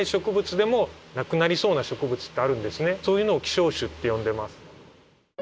そういうのを希少種って呼んでます。